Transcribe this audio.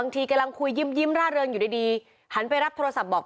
ทีกำลังคุยยิ้มร่าเริงอยู่ดีหันไปรับโทรศัพท์บอก